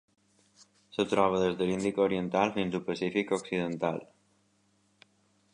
Es troba des de l'Índic oriental fins al Pacífic occidental: